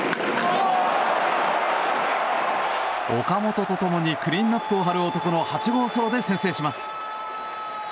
岡本と共にクリーンアップを張る男の８号ソロで先制します。